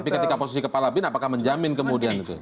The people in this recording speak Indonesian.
tapi ketika posisi kepala bin apakah menjamin kemudian itu